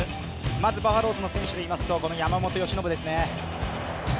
まず、バファローズの選手でいいますと山本由伸ですね。